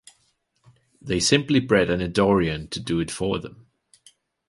They simply bred a Nidorian to do it for them.